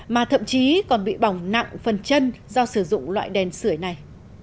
mà thậm chí còn bị bỏng nặng phần chân do sử dụng loại đèn sửa này